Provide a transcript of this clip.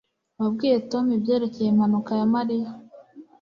Wabwiye Tom ibyerekeye impanuka ya Mariya